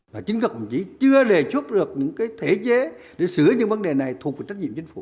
và chính các đồng chí chưa đề xuất được những thể chế để sửa những vấn đề này thuộc về trách nhiệm chính phủ